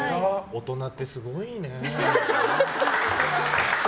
大人ってすごいね。